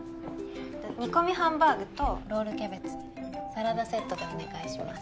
煮込みハンバーグとロールキャベツサラダセットでお願いします